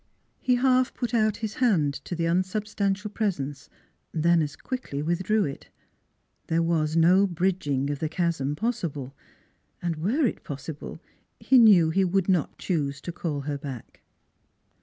He half put out his hand to the unsubstantial presence, then as quickly withdrew it. There was no bridging of the chasm possible. And were it NEIGHBORS 123 possible, he knew he would not choose to call her back.